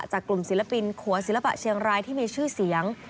จากกลุ่มศิลปินขัวศิลปะเชียงรายที่มีชื่อเสียง